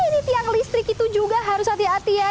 ini tiang listrik itu juga harus hati hati ya